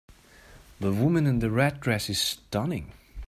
The woman in the red dress is stunning.